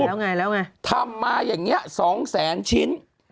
แล้วไงแล้วไงทำมาอย่างนี้สองแสนชิ้น